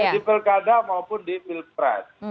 di pilkada maupun di pilpres